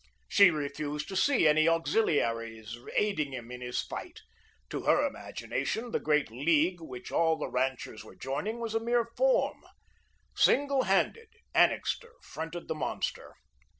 She refused to see any auxiliaries aiding him in his fight. To her imagination, the great League, which all the ranchers were joining, was a mere form. Single handed, Annixter fronted the monster.